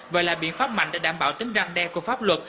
và là biện pháp mạnh để đảm bảo tính răng đe của pháp luật